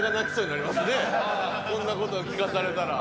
こんな事を聞かされたら。